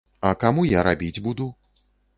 А каму я рабіць буду?!